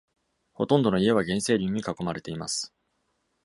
ほとんどの家は原生林に囲まれています。